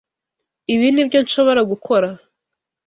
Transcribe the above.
Ibi nibyo nshobora gukora.